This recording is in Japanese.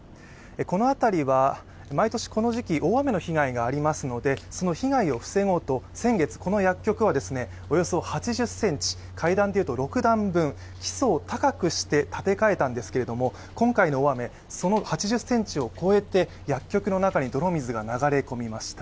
この辺りは毎年この時期大雨の被害がありますので、その被害を防ごうと、先月この薬局はおよそ８０ｃｍ、階段でいうと６段分、基礎を高くして建て替えたんですけれども今回の大雨、その８０ｃｍを超えて薬局の中に泥水が流れ込みました。